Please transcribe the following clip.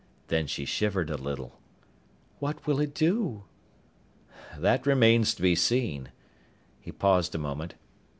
Then she shivered a little. "What will it do?" "That remains to be seen." He paused a moment.